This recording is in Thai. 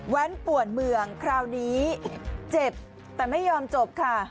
ป่วนเมืองคราวนี้เจ็บแต่ไม่ยอมจบค่ะ